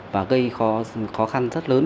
và gây khó khăn rất lớn